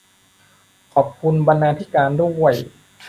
ขอบคุณบรรณาธิการด้วย